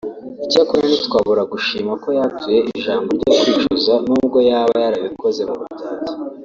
Icyakora ntitwabura gushima ko yatuye ijambo ryo kwicuza nubwo yaba yarabikoze mu buryarya